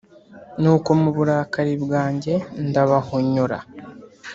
nuko mu burakari bwanjye, ndabahonyora,